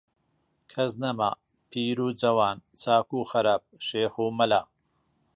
کەس نەما، پیر و جەوان، چاک و خراپ، شێخ و مەلا